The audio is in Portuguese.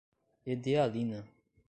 Edealina